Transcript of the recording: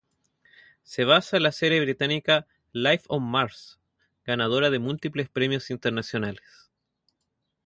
Se basaba en la serie británica "Life on Mars", ganadora de múltiples premios internacionales.